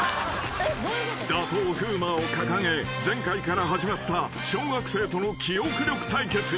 ［打倒風磨を掲げ前回から始まった小学生との記憶力対決］